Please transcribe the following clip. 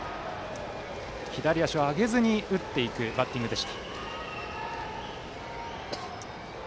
左足を上げずに打っていくバッティングでした。